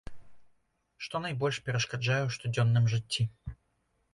Што найбольш перашкаджае ў штодзённым жыцці?